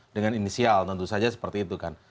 dengan inisial tentu saja seperti itu kan